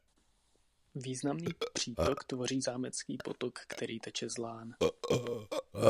Významný přítok tvoří Zámecký potok který teče z Lán.